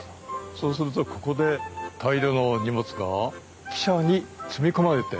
そうするとここで大量の荷物が汽車に積み込まれて運ばれていった。